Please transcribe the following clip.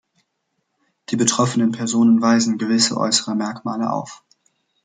Die betroffenen Personen weisen gewisse äußere Merkmale auf.